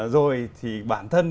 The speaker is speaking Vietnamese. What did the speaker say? rồi thì bản thân